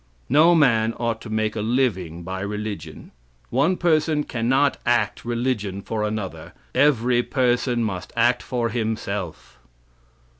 "No man ought to make a living by religion. One person can not act religion for another every person must act for himself.